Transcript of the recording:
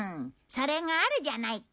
それがあるじゃないか。